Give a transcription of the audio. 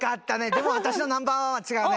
でも私のナンバーワンは違うね。